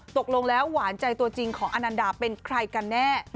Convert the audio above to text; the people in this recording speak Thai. ตกลงแล้วหวานใจตัวจริงของอนันดาเป็นใครกันแน่